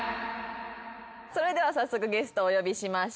それでは早速ゲストをお呼びしましょう。